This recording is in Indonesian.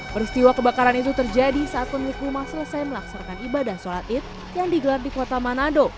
peristiwa kebakaran itu terjadi saat pemilik rumah selesai melaksanakan ibadah sholat id yang digelar di kota manado